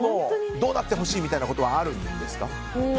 どうなってほしいみたいなことはあるんですか？